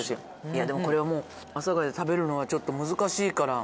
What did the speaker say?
いやでもこれはもう阿佐ヶ谷で食べるのはちょっと難しいから。